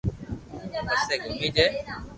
پسي گومي جي